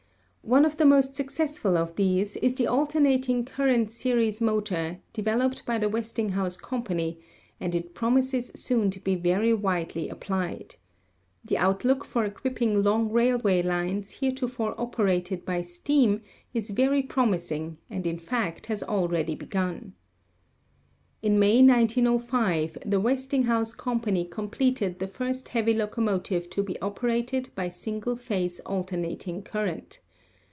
One of the most successful of these is the alternating current series motor developed by the Westinghouse Company and it promises soon to be very widely applied. The outlook for equipping long railway lines heretofore operated by steam is very promising and in fact has already begun. In May, 1905, the Westinghouse Company completed the first heavy locomotive to be operated by single phase alternating current.